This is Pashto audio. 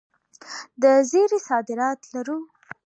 د زیرې صادرات لرو؟